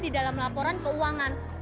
di dalam laporan keuangan